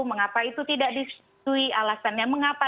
mengapa itu tidak disetujui alasannya mengapa